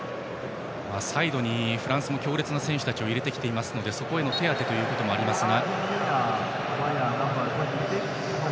サイドにフランスも強烈な選手たちを入れてきていますのでそこへの手当てということもありますが。